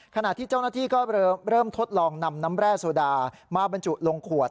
ขณะที่เจ้าหน้าที่ก็เริ่มทดลองนำน้ำแร่โซดามาบรรจุลงขวด